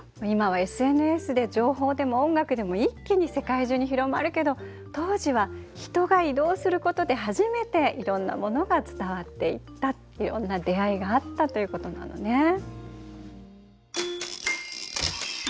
今はＳＮＳで情報でも音楽でも一気に世界中に広まるけど当時は人が移動することで初めていろんなものが伝わっていったいろんな出会いがあったということなのね。